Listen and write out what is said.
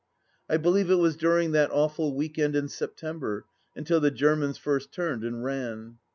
I believe it was during that awful week end in September, until the Germans first turned and ran.